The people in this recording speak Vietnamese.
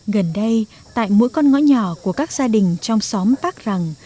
gần đây tại mỗi con ngõ nhỏ của các gia đình trong xóm bác rằng